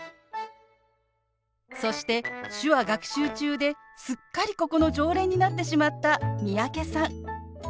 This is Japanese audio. そして手話学習中ですっかりここの常連になってしまった三宅さん